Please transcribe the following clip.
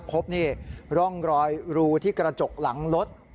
พบนี่ร่องรอยรูที่กระจกหลังรถ